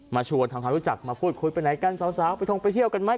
มาชวนทำความรู้จักมาพูดคุยไปไหนกันสาวไปทงไปเที่ยวกันไหม